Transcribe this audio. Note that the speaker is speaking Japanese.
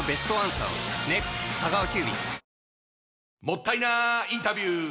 もったいなインタビュー！